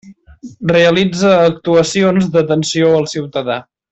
Realitza actuacions d'atenció al ciutadà.